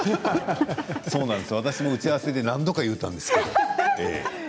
そうなんです、私も打ち合わせで何度か言ったんですけれど。